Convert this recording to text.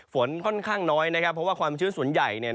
ฝนค่อนข้างน้อยนะครับเพราะว่าความชื้นส่วนใหญ่